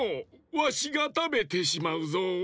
わしがたべてしまうぞ。